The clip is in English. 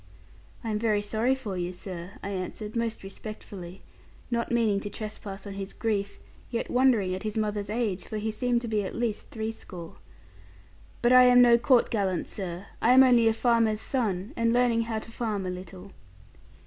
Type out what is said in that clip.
'I am very sorry for you, sir,' I answered most respectfully, not meaning to trespass on his grief, yet wondering at his mother's age; for he seemed to be at least threescore; 'but I am no court gallant, sir; I am only a farmer's son, and learning how to farm a little.'